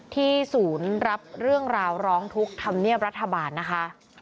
ศูนย์รับเรื่องราวร้องทุกข์ธรรมเนียบรัฐบาลนะคะ